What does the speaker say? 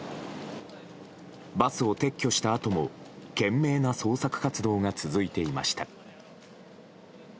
バスを撤去したあとも懸命な捜索活動が続いていました。